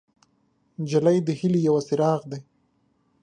نجلۍ د هیلې یو څراغ دی.